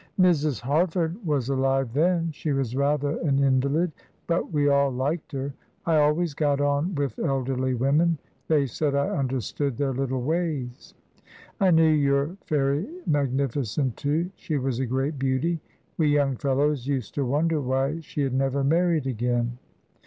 "Mrs. Harford was alive then; she was rather an invalid, but we all liked her. I always got on with elderly women; they said I understood their little ways. I knew your Fairy Magnificent, too; she was a great beauty. We young fellows used to wonder why she had never married again."